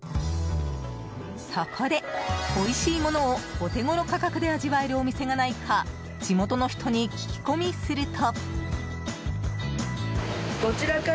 そこで、おいしいものをお手ごろ価格で味わえるお店がないか地元の人に聞き込みすると。